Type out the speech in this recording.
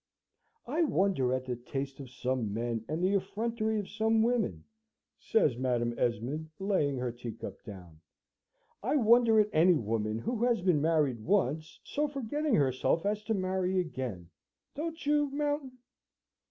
"I wonder at the taste of some men, and the effrontery of some women," says Madam Esmond, laying her teacup down. "I wonder at any woman who has been married once, so forgetting herself as to marry again! Don't you, Mountain?"